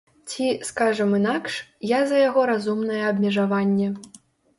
Ці, скажам інакш, я за яго разумнае абмежаванне.